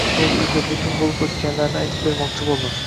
Doktorga butun bo’lib o’tganlarni aytib bermoqchi bo’ldim.